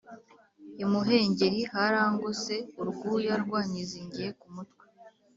Imuhengeri harangose urwuya rwanyizingiye kumutwe